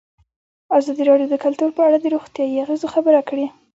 ازادي راډیو د کلتور په اړه د روغتیایي اغېزو خبره کړې.